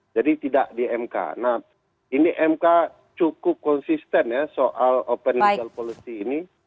tidak di mk nah ini mk cukup konsisten ya soal open legal policy ini